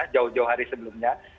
jauh jauh hari sebelumnya